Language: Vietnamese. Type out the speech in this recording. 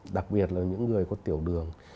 đặc biệt là những người có tiểu đường